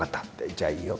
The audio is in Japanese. じゃあいいよ」